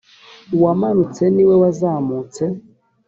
uwamanutse ni we wazamutse